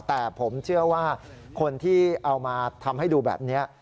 แต่ผมเชื่อว่าคนที่เอามาทำให้ดูแบบนี้